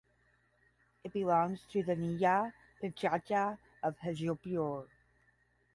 It belongs to the nyaya panchayat of Hajipur.